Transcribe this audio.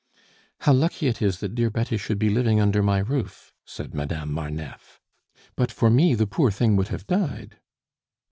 "How lucky it is that dear Betty should be living under my roof!" said Madame Marneffe. "But for me, the poor thing would have died."